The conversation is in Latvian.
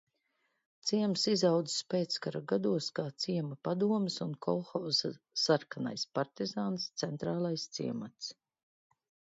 "Ciems izaudzis pēckara gados kā ciema padomes un kolhoza "Sarkanais partizāns" centrālais ciemats."